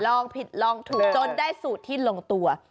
ลองผิดลองถูกจนได้สูตรที่ลงตัว